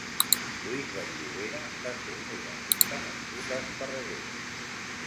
Lluís Vall-Llobera va ser un organista nascut a Esparreguera.